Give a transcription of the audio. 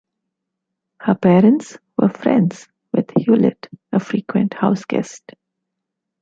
Her parents were friends with Hulett, a frequent house guest.